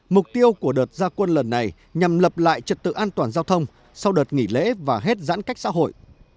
mục tiêu của đợt gia quân lần này nhằm lập lại trật tự an toàn giao thông sau đợt nghỉ lễ và hết giãn cách xã hội